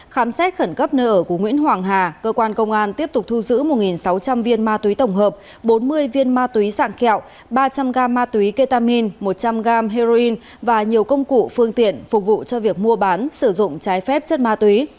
khám xét khẩn cấp nơi ở của nguyễn hoàng hà cơ quan công an tiếp tục thu giữ một sáu trăm linh viên ma túy tổng hợp bốn mươi viên ma túy sạng kẹo ba trăm linh gam ma túy ketamin một trăm linh g heroin và nhiều công cụ phương tiện phục vụ cho việc mua bán sử dụng trái phép chất ma túy